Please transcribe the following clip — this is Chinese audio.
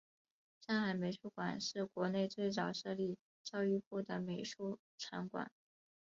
上海美术馆是国内最早设立教育部的美术场馆。